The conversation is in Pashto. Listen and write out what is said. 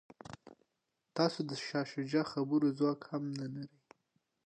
تاسو د شاه شجاع خبرو ځواک هم نه لرئ.